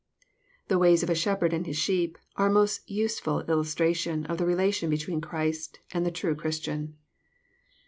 The ways of a shepherd and his sheep are a most useful illustration of the relation between Christ and the true Christian.